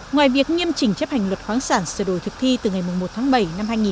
ngoài việc nghiêm chỉnh chấp hành luật khoáng sản sửa đổi thực thi từ ngày một bảy hai nghìn một mươi một